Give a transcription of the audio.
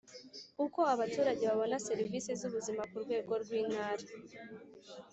Uko abaturage babona serivisi z ubuzima ku rwego rw Intara